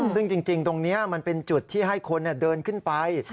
ซึ่งจริงตรงนี้มันเป็นจุดที่ให้คนเดินขึ้นไป